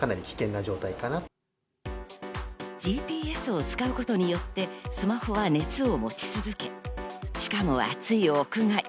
ＧＰＳを使うことによって、スマホは熱を持ち続け、しかも、暑い屋外。